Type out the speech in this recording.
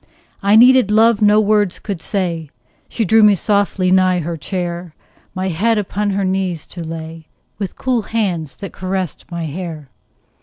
I needed love no words could say; She drew me softly nigh her chair, My head upon her knees to lay, With cool hands that caressed my hair.